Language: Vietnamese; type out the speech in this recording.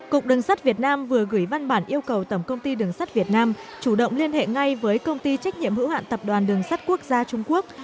cục đường sắt việt nam vừa gửi văn bản yêu cầu tổng công ty đường sắt việt nam chủ động liên hệ ngay với công ty trách nhiệm hữu hạn tập đoàn đường sắt quốc gia trung quốc